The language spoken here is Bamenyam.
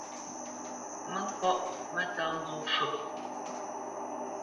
Mǝ ŋkɔ́ʼ mǝ́tá nzó shwô.